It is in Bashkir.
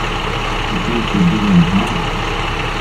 — Тик мин күҙҙе йомһам...